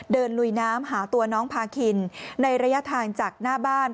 ลุยน้ำหาตัวน้องพาคินในระยะทางจากหน้าบ้าน